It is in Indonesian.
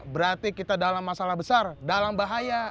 berarti kita dalam masalah besar dalam bahaya